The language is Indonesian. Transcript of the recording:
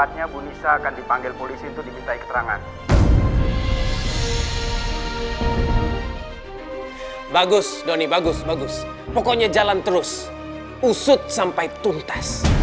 tidak ada yang menentu saya